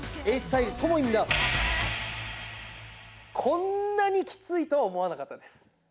こんなにキツいとは思わなかったです。